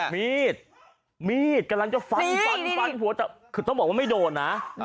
มีดกำลังจะฟันผัวคือต้องบอกว่าไม่โดน